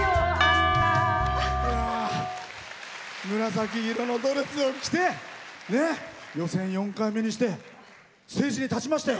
紫色のドレスを着て予選４回目にしてステージに立ちましたよ